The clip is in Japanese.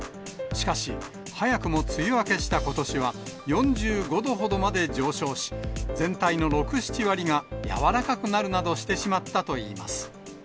しかし、早くも梅雨明けしたことしは、４５度ほどまで上昇し、全体の６、７割がやわらかくなるなどしてしまったといいます。